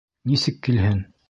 Нисек килһен?